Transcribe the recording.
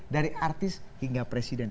dari artis hingga presiden